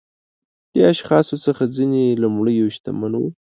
دې اشخاصو څخه ځینې لومړيو شتمن وو.